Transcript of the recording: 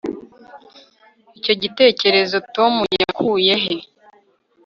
icyo gitekerezo tom yakuye he